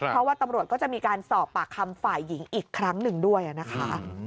เพราะว่าตำรวจก็จะมีการสอบปากคำฝ่ายหญิงอีกครั้งหนึ่งด้วยนะคะ